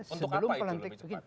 untuk apa itu lebih cepat